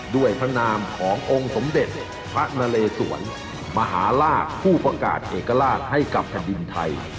ด้วยพระนามขององค์สมเด็จพระนเลสวนมหาลาศผู้ประกาศเอกราชให้กับแผ่นดินไทย